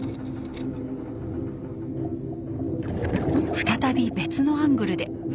再び別のアングルで。